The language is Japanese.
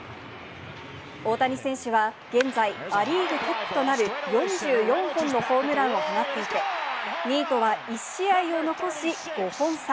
大谷選手は現在ア・リーグトップとなる４４本のホームランを放っていて、２位とは１試合を残し５本差。